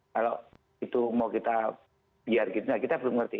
kalau itu mau kita biar gitu kita belum ngerti